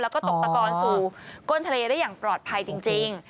แล้วก็ตกตะกอนสู่ก้นทะเลได้อย่างปลอดภัยจริง